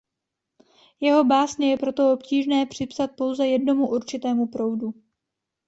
Jeho básně je proto obtížné připsat pouze jednomu určitému proudu.